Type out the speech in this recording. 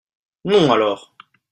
non alors !